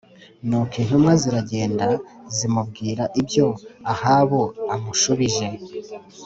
Nuko intumwa ziragenda zimubwira ibyo Ahabu amushubije